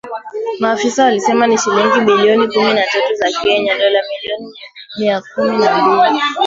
Maafisa walisema ni shilingi bilioni kumi na tatu za Kenya ,dola milioni mia kumi na mbili.